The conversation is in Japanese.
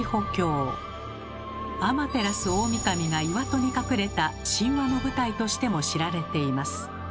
天照大神が岩戸に隠れた神話の舞台としても知られています。